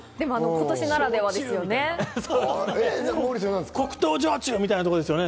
今年ならではですよね。